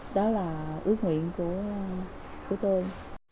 đó là ước nguyện của tôi